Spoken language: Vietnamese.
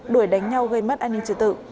đuổi đánh nhau gây mất an ninh trừ tự